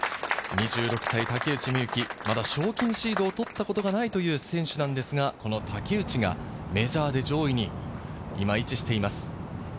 ２６歳竹内美雪、まだ賞金シードを取ったことがないという選手なんですが、この竹内がメジャーで上位に今位置しています。